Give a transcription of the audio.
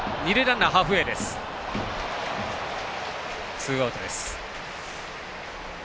ツーアウトです。